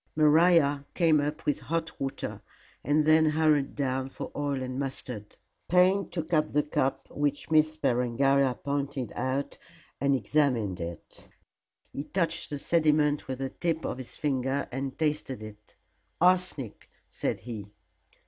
Maria came up with hot water and then hurried down for oil and mustard. Payne took up the cup which Miss Berengaria pointed out and examined it. He touched the sediment with the tip of his finger and tasted it. "Arsenic," said he.